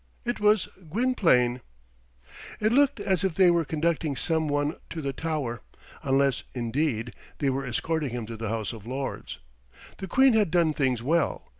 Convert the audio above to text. It was Gwynplaine. It looked as if they were conducting some one to the Tower, unless, indeed, they were escorting him to the House of Lords. The queen had done things well.